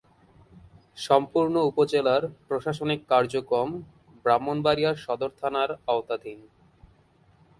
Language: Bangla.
সম্পূর্ণ উপজেলার প্রশাসনিক কার্যক্রম ব্রাহ্মণবাড়িয়া সদর থানার আওতাধীন।